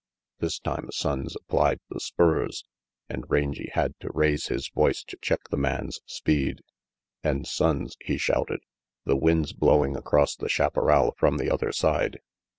This time Sonnes applied the spurs, and Rangy had to raise his voice to check the man's speed. "And Sonnes," he shouted, "the wind's blowing across the chaparral from the other side.